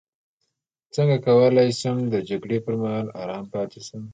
څنګه کولی شم د جګړې پر مهال ارام پاتې شم